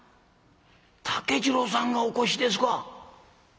竹次郎さんがお越しですが」。